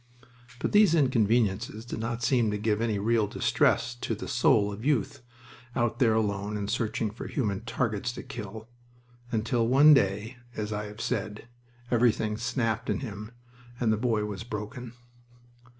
But these inconveniences did not seem to give any real distress to the soul of youth, out there alone and searching for human targets to kill... until one day, as I have said, everything snapped in him and the boy was broken.